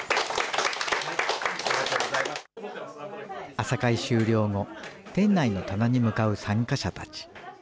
朝会終了後、店内の棚に向かう参加者たち。